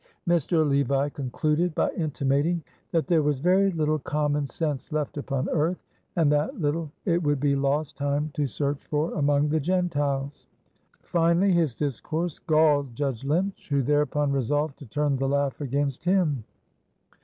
Mr. Levi concluded by intimating that there was very little common sense left upon earth, and that little it would be lost time to search for among the Gentiles. Finally his discourse galled Judge Lynch, who thereupon resolved to turn the laugh against him.